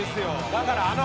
だからあの。